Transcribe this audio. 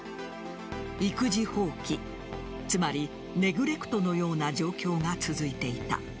育児放棄、つまりネグレクトのような状況が続いていた。